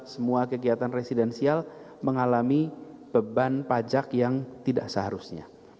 semua kegiatan residensial mengalami beban pajak yang tidak seharusnya